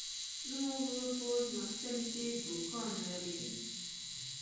زما ورور په ځمکتلي کې دوکان لری.